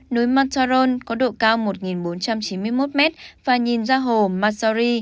núi montoron có độ cao một bốn trăm chín mươi một mét và nhìn ra hồ maggiore